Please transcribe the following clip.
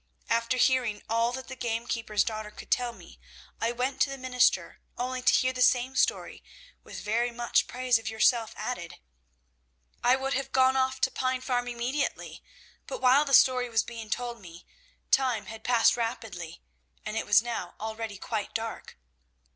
After hearing all that the gamekeeper's daughter could tell me, I went to the minister, only to hear the same story with very much praise of yourself added. I would have gone off to Pine Farm immediately, but while the story was being told me, time had passed rapidly, and it was now already quite dark.